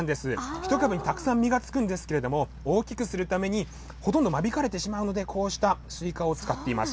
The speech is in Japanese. １株にたくさん実がつくんですけれども、大きくするために、ほとんど間引かれてしまうので、こうしたスイカを使っています。